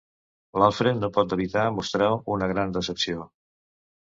L'Alfred no pot evitar mostrar una gran decepció.